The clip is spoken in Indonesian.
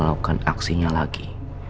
lakukan aksinya lagi